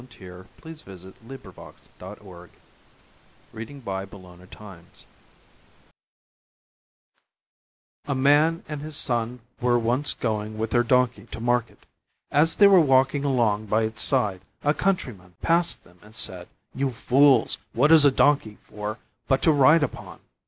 Wealth unused might as well not exist. The Man, the Boy, and the Donkey A Man and his son were once going with their Donkey to market. As they were walking along by its side a countryman passed them and said: "You fools, what is a Donkey for but to ride upon?"